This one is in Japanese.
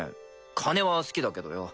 金は好きだけどよ。